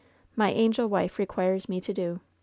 "My angel wife requires me to do.